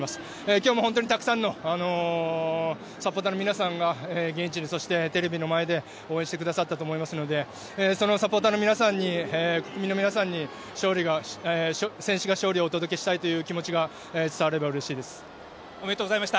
今日も本当にたくさんのサポーターの皆さんが現地、テレビの前で応援してくださったと思いますのでサポーターの皆さん国民の皆さんに選手が勝利をお届けしたいという気持ちがおめでとうございました。